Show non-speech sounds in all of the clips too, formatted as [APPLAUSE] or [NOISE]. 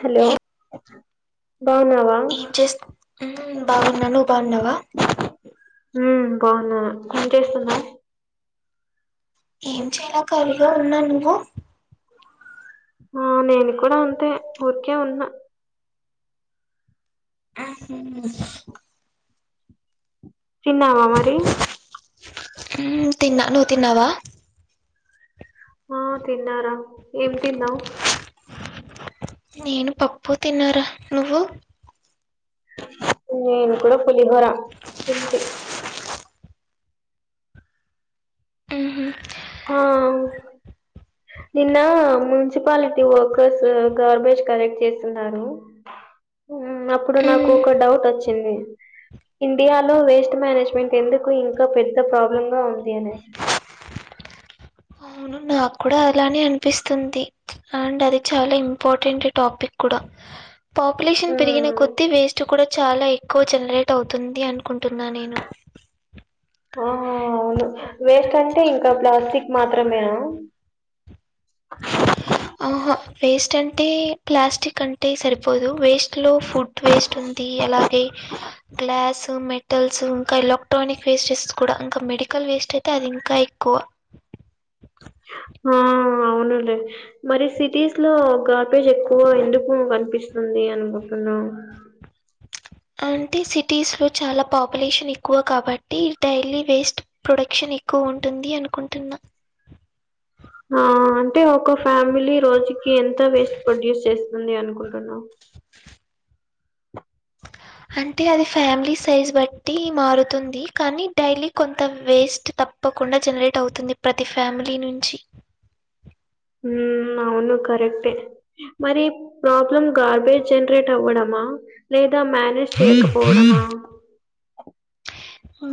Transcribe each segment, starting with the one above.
Hello బాగునావా ఏం చే బాగున్నాను నువ్వు బాగున్నావా హ బాగున్నా ఏం చేస్తున్నా ఏం చేయలే కాలిగా ఉన్నా నువ్వు ఆ నేను కూడా అంతే ఊరికే ఉన్నా ఆహ తిన్నావా మరి తన్నా ను తిన్నావా ఆ తిన్నారా ఏం తిన్నావ్ నేను పప్పు తిన్నారా నువ్వు నేను కూడా పులిహోర తింటి ఆ ఆ అవును నిన్న మున్సిపాలిటీ వర్కర్స్ గార్బేజ్ కలెక్ట్ చేస్తున్నారు అప్పుడు నాకు మ్మ్ ఒక డౌట్ వచ్చింది ఇండియాలో వేస్ట్ మేనేజ్మెంట్ ఎందుకు ఇంకా పెద్ద ప్రాబ్లమ్ గా ఉంది అనే అవును నాకు కూడా అలానే అనిపిస్తుంది అండ్ అది చాలా ఇంపార్టెంట్ టాపిక్ కూడా పాపులేషన్ పెరిగిన ఉమ్ కొద్ది వేస్ట్ కూడా చాలా ఎక్కువ జనరేట్ అవుతుంది అనుకుంటున్నా నేను ఆ అవును వేస్ట్ అంటే ఇంకా ప్లాస్టిక్ మాత్రమేనా ఆహా వేస్ట్ అంటే ప్లాస్టిక్ అంటే సరిపోదు వేస్ట్లో ఫుడ్ వేస్ట్ ఉంది అలాగే గ్లాసు మెటల్స్ ఇంకా ఎలక్ట్రానిక్ వేస్టెస్ కూడా ఇంకా మెడికల్ వేస్ట్ అయితే అది ఇంకా ఎక్కువ ఆ అవునులే మరి సిటీస్ లో గార్బేజ్ ఎక్కువ ఎందుకు కనిపిస్తుంది అనుకుంటున్నావ్ అంటే సిటీస్ లో చాలా పాపులేషన్ ఎక్కువ కాబట్టి డైలీ వేస్ట్ ప్రొడక్షన్ ఎక్కువ ఉంటుంది అనుకుంటున్నా ఆ అంటే ఒక ఫ్యామిలీ రోజుకి ఎంత వేస్ట్ ప్రొడ్యూస్ చేస్తుంది అనుకుంటున్నావు అంటే అది ఫ్యామిలీ సైజ్ బట్టి మారుతుంది కానీ డైలీ కొంత వేస్ట్ తప్పు తప్పకుండా జనరేట్ అవుతుంది ప్రతి ఫ్యామిలీ నుంచి. ఊ అవును కరెక్టే మరీ ప్రాబ్లమ్ గార్బేజ్ జన్రేట్ అవ్వడమా లేదా మ్యానే చేయకపోడమా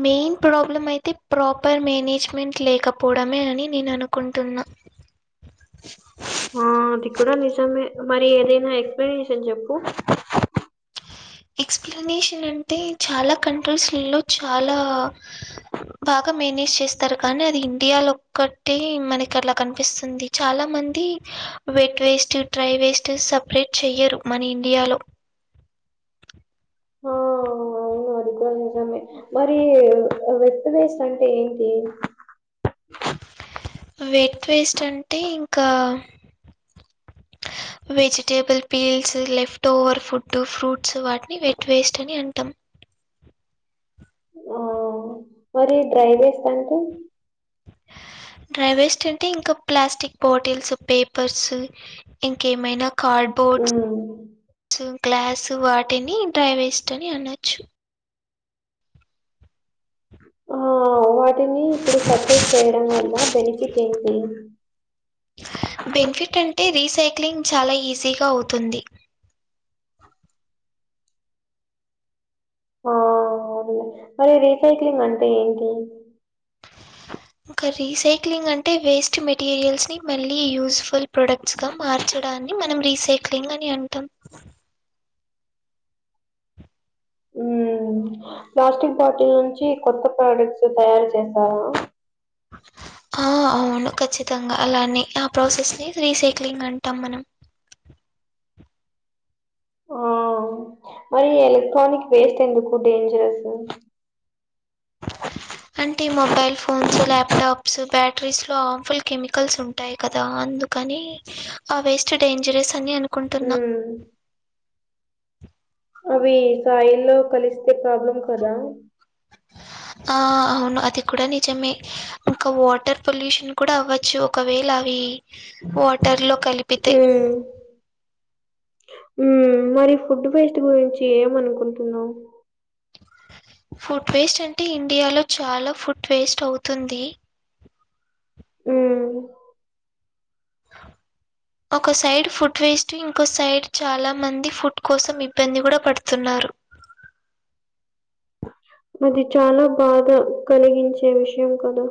మేన్ ప్రాబ్లం అయితే ప్రాపర్ మేనేజ్మెంట్ లేకపోడమే అని నేను అనుకుంటున్నా ఆ అది కుడ నిజమే మరి ఏదైనా ఎక్స్పనేషన్ జెప్పు ఎక్స్ప్లనేషన్ అంటే చాలా కంట్రీస్లో చాలా బాగా మేనేజ్ చేస్తారు కానీ అది ఇండియాలో ఒక్కటే మనకి అట్లా కన్పిస్తుంది చాలా మంది wet waste dry waste separate చెయ్యరు మన ఇండియాలో హోఓవ్ ఓ అది కుడా నిజమే మరీ వెట్టు వేస్టంటే ఏంటి వెట్ వేస్ట్ అంటే ఇంకా vegetable peels leftover food fruits వాట్ని వెట్ వేస్టని అంటాం ఓ మరీ డ్రై వేస్టంటే డ్రైవేస్టంటే ఇంకా ప్లాస్టిక్ బాటిల్స్ పేపర్సు ఇంకేమైనా కార్డ్ బోర్ట్స్ ఉమ్ స్సు గ్లాసూ వాటిని డ్రైవేస్టని అనొచ్చు ఒహో వాటిని ఇప్పుడు సప్రేట్ చేయడం వల్ల బెనిఫిట్ ఏంటి బెనిఫిట్ అంటే రీసైక్లింగ్ చాలా ఈజీగా అవుతుంది ఓ మరి రీసైక్లింగ్ అంటే ఏంటి ఇంక రీసైక్లింగ్ అంటే వేస్ట్ మెటీరియల్స్ ని మళ్ళీ యూజ్ ఫుల్ ప్రొడక్ట్స్ గా మార్చడాన్ని మనం రీసైక్లింగ్ అని అంటాం ఉమ్ ప్లాస్టిక్ బాటిల్ నుంచి కొత్ కొత్త డక్ట్సు తయారు చేస్తారా ఆ అవును ఖచ్చితంగా అలాని ఆ ప్రాసెస్ని రీసైక్లింగ్ అంటాం మనం ఆ మరి ఎలక్ట్రానిక్ వేస్ట్ ఎందుకు డేంజరస్సు అంటే మొబైల్ ఫోన్స్ ల్యాప్టాప్స్ బ్యాటరీస్ లో హామ్ఫుల్ కెమికల్స్ ఉంటాయత కదా అందు కానీ ఆ వేస్టు డేంజరస్ అని అను ఊ అవి సాయిల్లో కలిస్తే ప్రాబ్లం కదా ఆ అవును అది కుడ నిజమే ఇంకా వాటర్ పొల్యూషన్ కూడా అవ్వచ్చు ఒకవేళావి వాటర్ లో కలిప్ ఊ మరి ఫుడ్డు వేస్ట్ గురించి ఏమనుకుంటున్నావ్ ఫుడ్ వేస్టంటే ఇండియాలో చాలా ఫుడ్ వేస్టవుతుంది ఊ ఒక సైడ్ ఫుడ్ వేస్ట్ ఇంకో సైడ్ చాలా మంది ఫుడ్ కోసం ఇబ్బంది కుడా పడుతున్నారు అది చాలా బాధ కలిగించే విషయం కదా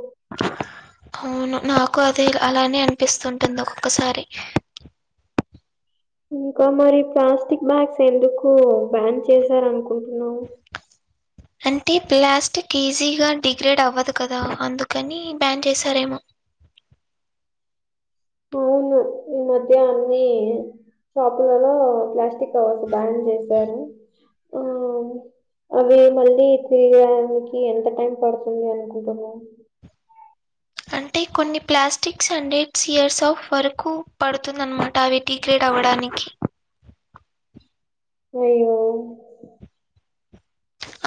అవును నాకు అది ఇలా అలానే అనిపిస్తుంటుంది ఒకొక్కసారి ఇంకా మరి ప్లాస్టిక్ బ్యాగ్స్ ఎందుకు బ్యాన్ చేశారనుకు కుంటున్నావ్ అంటే ప్లాస్టిక్ ఈజీగా డిగ్రేడ్ అవ్వదు కదా అందుకని బ్యాన్ చేసారేమో అవును ఈ మధ్యా అన్నీ షాపులలో ప్లాస్టిక్ కవర్స్ బ్యాన్ చేశారు అవి మళ్ళీ తీయనికి ఎంత టైం పడుతుంది అనుకుంటున్నారు అంటే కొన్ని ప్లాస్టిక్స్ అండి సేల్స్ ఆఫ్ వర్క్ పడుతుందన్నమా అవి టి క్రేట్ అవ్వడానికి అయ్యో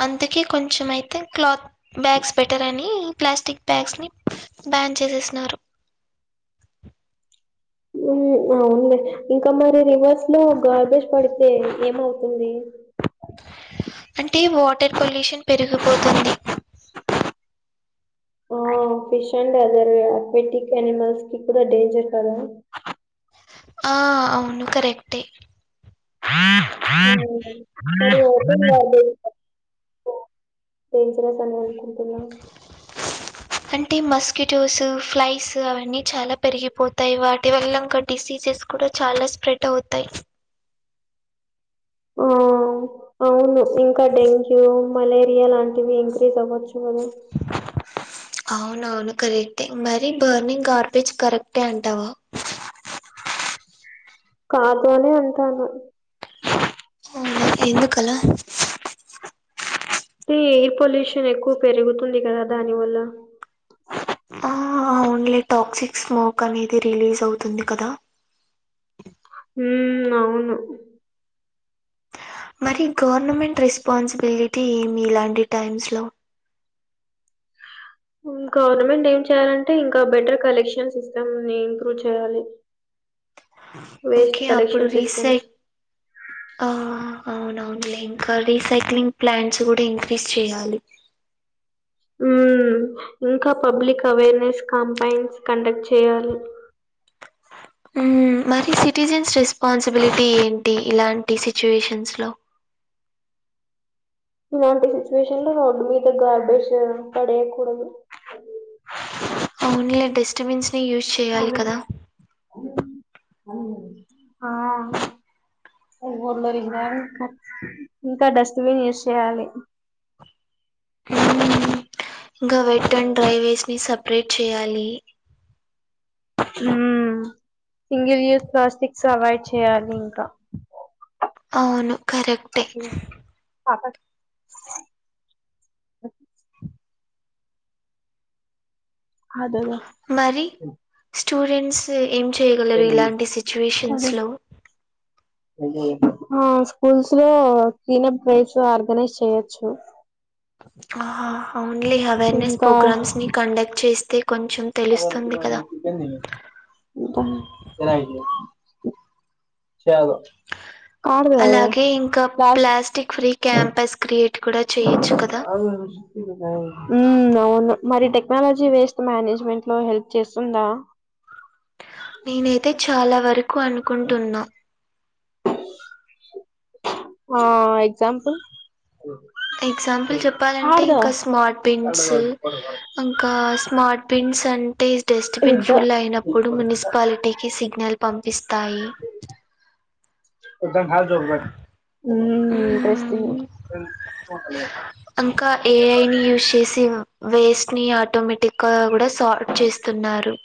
అందుకే కొంచెం అయితే క్లాత్ బ్యాగ్స్ బెటర్ అని ప్లాస్టిక్ బ్యాగ్స్ ని బ్యాన్ చేసేసినారు ఉహు అవును లే ఇంకా మరి రివర్స్ లో గార్బేజ్ పడితే ఏమవుతుంది అంటే వాటర్ పొల్యూషన్ పెరిగపోతుంది ఆ fish and other aquatic animals కి కూడా డేంజర్ కదా ఆ అవును కరెక్టే [UNINTELLIGIBLE] సరిగా పడుతుందా డేంజరస్ అని అనుకుంటున్నా అంటే మస్కిటోస్ ఫ్లైస్ అవన్నీ చాలా పెరిగిపోతయి వాటి వల్ల ఇంకా డిసీజెస్ కూడ చాలా స్ప్రెడ్ అవుతాయి ఆ అవును ఇంకా డెంగ్యూ మలేరియా లాంటివి ఇంక్రీజ్ అవ్వచ్చు ఉహు అవునవును కరెక్టే మరి బర్నింగ్ గార్బేజ్ కరెక్టే అంటావా కాదు అనే అంటానా అవునా ఎందుకలా ఈ పొల్యూషన్ ఎక్కువ పెరుగుతుంది కదా దాని వల్ల ఆ ఓన్లీ టాక్సిక్ స్మోక్ అనేది రిలీజ్ అవుతుంది కదా ఉ అవును మరి గవర్నమెంట్ రెస్పాన్సిబిలిటీ ఏమి ఇలాంటి టైమ్స్ లో ఉ గవర్నమెంట్ ఏం చేయాలంటే ఇంకా బెటర్ కలెక్షన్ సిస్టమ్ ని ఇంప్రూవ్ చేయాలి [INAUDIBLE] వేస్ట్ ఓకే అప్పుడు కలెక్షన్ సిస్టమ్స్ రీసైట్ ఆ అవునవునులే ఇంకా రీసైక్లింగ్ ప్లాంట్స్ కూడా ఇంక్రీజ్ చేయాలి ఊ ఇంకా పబ్లిక్ అవేర్నెస్ కాంపైన్స్ కండక్ట్ చేయాలి హూ మరి సిటిజన్స్ రెస్పాన్సిబిలిటీ ఏంటి ఇలాంటి సిచ్యుయేషన్స్లో ఇలాంటి సిచ్యువేషన్ లో రోడ్డు మీద గార్బేస్ పడేయకూడదు ఓన్లీ డిస్టబెన్సని యూజ్ చేయాలి కామెంట్ కదా! ఇంకా డస్ట్ బిన్ యూజ్ చేయాలి ఊ ఇంకా వెట్ అన్ డ్రై వేస్ట్ ని సప్రేట్ చేయాలి ఊ సింగిల్ యూస్ ప్లాస్టిక్స్ అవైడ్ చెయ్యాలి ఇంక అవును కరెక్టే. అతక్ అదేఅద మరి స్టూడెంట్స్ ఏం చేయగలరు ఇలాంటి సిచ్చువేషన్స్ లో [INAUDIBLE] ఆ స్కూల్స్ లో క్లీనబ్ బేస్ ఆర్గనైజ్ చేయొచ్చు ఓన్లీ అవేర్నెస్ ఇంకా ప్రోగ్రామ్స్ ని కండక్ట్ చేస్తే కొంచెం తెలుస్తుంది కదా! [UNINTELLIGIBLE] [UNINTELLIGIBLE] అలాగే ఇంకా ప్లాస్టిక్ ఫ్రీ క్యాంపస్ క్రియేట్ కూడా చేయొచ్చు కదా! అవున్ మ్ అవును మరి టెక్నాలజీ వేస్ట్ మేనేజ్మెంట్ లో హెల్ప్ చేస్తుందా నేనైతే చాలా వరకు అనుకుంటున్న ఆ ఎగ్జాంపుల్ ఎగ్జాంపుల్ చెప్పాలంటె కాడ్దా ఇంకా స్మార్ట్ తింగ్సూ ఇంకా స్మార్ట్ పింగ్స్ అంటే డస్ట్ బిన్ ఫుల్ అయినప్పుడు మున్సిపాలిటీకి సిగ్నల్ పంపిస్తాయి మ్మ్ ఇంట్రెస్టింగ్ మ్మ్. ఇంకా ఏఐని యూజ్ చేసి వేస్ట్ ని ఆటోమేటిగ్గా కూడ సార్ట్ చేస్తున్నారు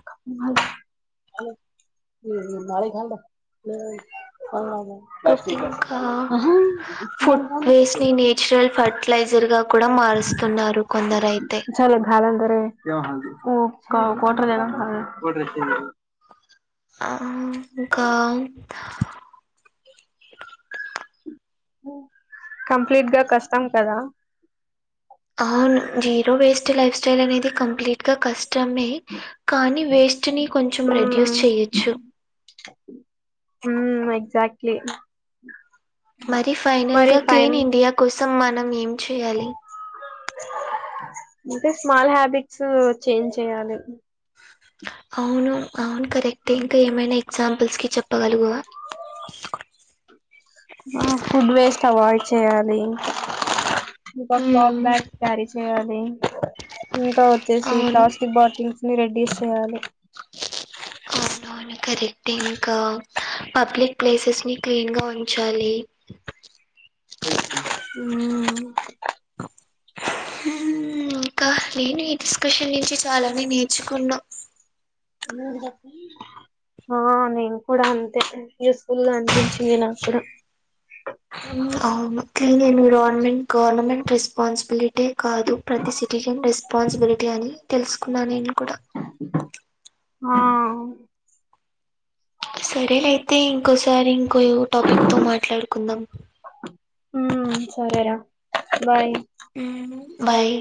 [INAUDIBLE] [UNINTELLIGIBLE] ఇంకా [UNINTELLIGIBLE] చురల్ ఫర్టిలైజర్ గా కూడ మారుస్తున్నారు కొందరైతే [UNINTELLIGIBLE] మ్ ఇంకా కంప్లీట్ గా కష్టం కదా అవును జీరో వేస్ట్ లైఫ్ స్టైల్ అనేది కంప్లీట్గా కష్టమే కానీ వేస్ ట్ని కొంచెం మ్మ్ రెడ్యూస్ చేయొచ్చు మ్ ఎగ్జాక్ట్లీ మరి ఫైనల్ మరి గా ఫైన్ క్లీన్ ఇండియా కోసం మనం ఏం చేయాలి అంటే స్మాల్ హ్యాబిట్సూ చేంజ్ చేయాలి అవును అవును కరెక్టే ఇంకా ఏమైన ఎగ్జాంపుల్స్ కి చెప్పగలవా ఆ ఫుడ్ వేస్ట్ అవైడ్ చేయాలి ఇంకా క్లాప్ హ్మ్. బ్యాగ్స్ క్యారీ చేయాలి ఇంకా వచ్చేసి అవును. ప్లాస్టిక్ బాటిల్స్ మీ రెడ్డీస్ చేయాలి అవునవును కరెక్టే ఇంకా పబ్లిక్ ప్లేసెస్ని క్లీన్గా ఉంచాలి మ్ అ మ్ ఇంకా నేను ఈ డిస్కషన్ నుంచి చాలానే నేర్చుకున్నా నూరు దఫ ఆ నేను కూడా అంతే స్కూల్గా అనిపించింది నాకు కూడా అవును క్లీన్ ఎన్విరాన్మెంట్ గవర్నమెంట్ెస్ స్పాన్సిబిలిటీ కాదు ప్రతి సిటిజన్ రెస్పాన్సిబిలిటీ అని తెలుసుకున్నాను నేను కూడా ఆ సరేలే అయితే ఇంకోసారి ఇంకో న్యూ టాపిక్ తో మాట్లాడుకుందాం మ్ సరేరా బాయ్ మ్ బాయ్